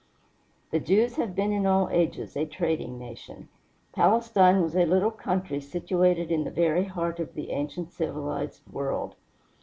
The Jews have been in all ages a trading nation. Palestine was a little country situated in the very heart of the ancient civilized world.